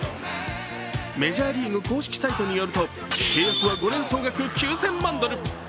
メジャーリーグ公式サイトによると、契約は５年総額９０００万ドル。